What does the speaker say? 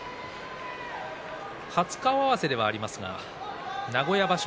初顔合わせではありますが名古屋場所